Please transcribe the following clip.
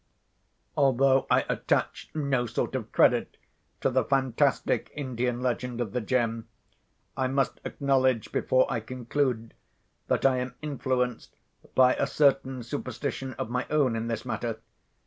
Although I attach no sort of credit to the fantastic Indian legend of the gem, I must acknowledge, before I conclude, that I am influenced by a certain superstition of my own in this matter.